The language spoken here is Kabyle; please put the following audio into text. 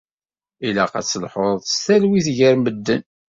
Ilaq ad telḥuḍ s talwit gar medden.